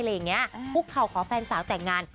อะไรอย่างนี้ครูเคาขอแฟนสาวแต่งงาน